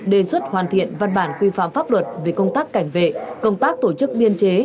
đề xuất hoàn thiện văn bản quy phạm pháp luật về công tác cảnh vệ công tác tổ chức biên chế